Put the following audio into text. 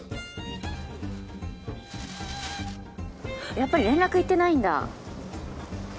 やっぱり連絡いってないんだ？